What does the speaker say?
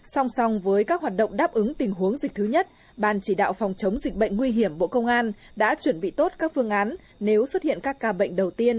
song song với các hoạt động đáp ứng tình huống dịch thứ nhất ban chỉ đạo phòng chống dịch bệnh nguy hiểm bộ công an đã chuẩn bị tốt các phương án nếu xuất hiện các ca bệnh đầu tiên